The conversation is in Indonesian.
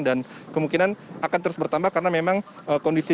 kemungkinan akan terus bertambah karena memang kondisi